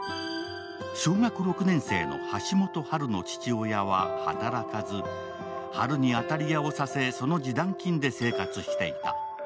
小学６年生の橋本波留の父親は働かず波留に当たり屋をさせ、その示談金で生活していた。